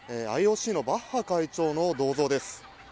ＩＯＣのバッハ会長の銅像です。